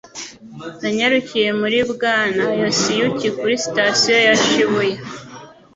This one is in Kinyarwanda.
Nanyarukiye muri Bwana Yosiyuki kuri sitasiyo ya Shibuya.